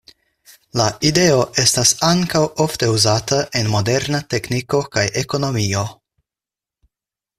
La ideo estas ankaŭ ofte uzata en moderna tekniko kaj ekonomio.